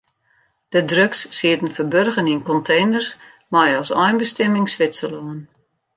De drugs sieten ferburgen yn konteners mei as einbestimming Switserlân.